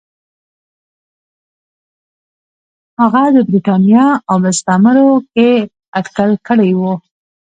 هغه د برېټانیا او مستعمرو کې اټکل کړی و.